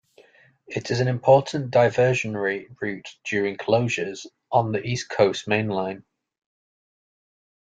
It is an important diversionary route during closures on the East Coast Main Line.